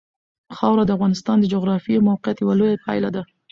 خاوره د افغانستان د جغرافیایي موقیعت یوه لویه پایله ده.